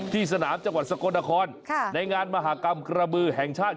สนามจังหวัดสกลนครในงานมหากรรมกระบือแห่งชาติ